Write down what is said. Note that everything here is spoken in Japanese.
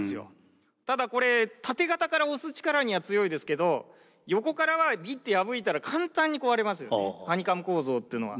ただこれ縦型から押す力には強いですけど横からはビッて破いたら簡単に壊れますハニカム構造っていうのは。